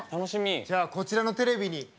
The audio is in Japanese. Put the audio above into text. じゃあこちらのテレビに注目！